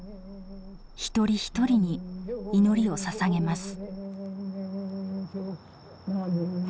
一人一人に祈りをささげます。